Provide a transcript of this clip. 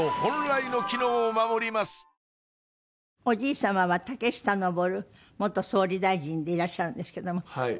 おじい様は竹下登元総理大臣でいらっしゃるんですけども。